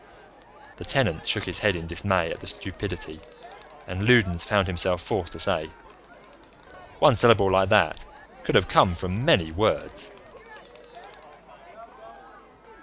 The Tenant shook his head in dismay at his stupidity and Loudons found himself forced to say, "One syllable like that could have come from many words."